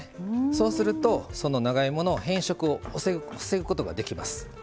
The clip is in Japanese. そうするとその長芋の変色を防ぐことができます。